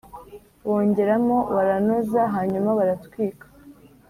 Bongeramo baranoza Hanyuma baratwika!